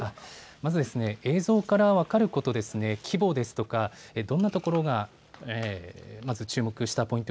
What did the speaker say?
まず映像から分かること、規模、どんなところ、まず注目したポイント